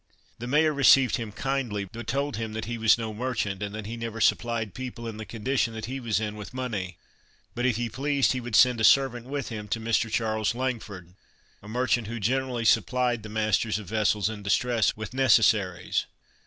The Mayor received him kindly, but told him that he was no merchant, and that he never supplied people in the condition that he was in, with money, but if he pleased, he would send a servant with him to Mr. Charles Langford, a merchant who generally supplied the masters of vessels in distress with necessaries.